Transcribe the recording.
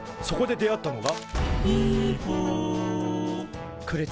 そこで出会ったのが「ニコ」